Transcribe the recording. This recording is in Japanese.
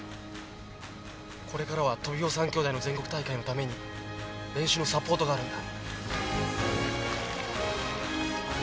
これからはトビウオ三兄弟の全国大会のために練習のサポートがあるんだ。